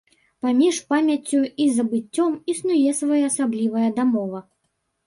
Паміж памяццю і забыццём існуе своеасаблівая дамова.